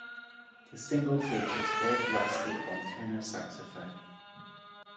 The single features Dave Lastie on tenor saxophone.